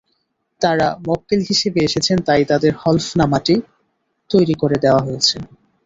তাঁরা মক্কেল হিসেবে এসেছেন, তাই তাঁদের হলফনামাটি তৈরি করে দেওয়া হয়েছে।